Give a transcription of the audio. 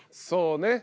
そうね